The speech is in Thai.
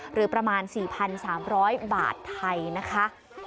หรือประมาณ๔๓๐๐บาทไทยนะคะ